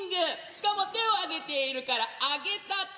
しかも手を上げているから揚げたて。